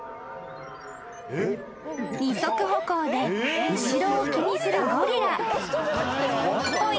［二足歩行で後ろを気にするゴリラ］